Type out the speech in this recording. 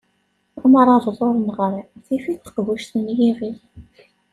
Amṛabeḍ ur neɣri, tif-it teqbuct n yiɣi.